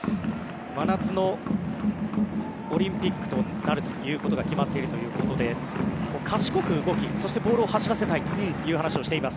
真夏のオリンピックとなるということが決まっているということで賢く動き、そしてボールを走らせたいという話をしています。